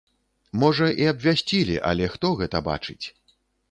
Можа, і абвясцілі, але хто гэта бачыць?